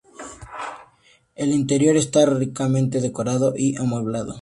El interior está ricamente decorado y amueblado.